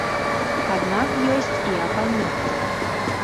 Аднак ёсць і апаненты.